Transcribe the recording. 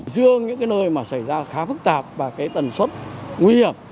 riêng những cái nơi mà xảy ra khá phức tạp và cái tần suất nguy hiểm